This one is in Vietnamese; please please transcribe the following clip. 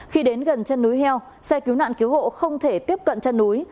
khi đến gần chân núi heo xe cứu nạn cứu hộ không thể tiếp cận chân núi